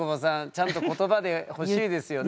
ちゃんと言葉で欲しいですよね？